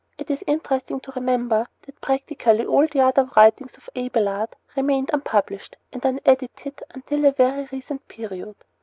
It is interesting to remember that practically all the other writings of Abelard remained unpublished and unedited until a very recent period.